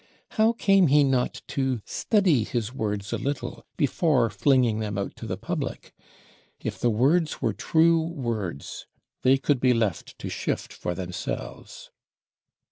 How came he not to study his words a little, before flinging them out to the public? If the words were true words, they could be left to shift for themselves.